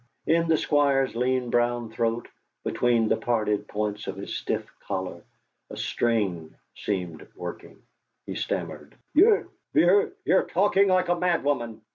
In the Squire's lean brown throat, between the parted points of his stiff collar, a string seemed working. He stammered: "You you're talking like a madwoman!